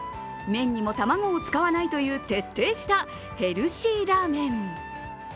麺にも卵を使わないという徹底したヘルシーラーメン。